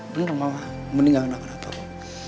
bener mama mendingan anak anak tahu